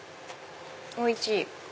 おいしい！